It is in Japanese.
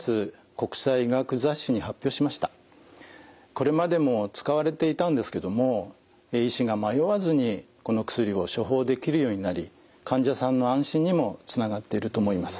これまでも使われていたんですけども医師が迷わずにこの薬を処方できるようになり患者さんの安心にもつながっていると思います。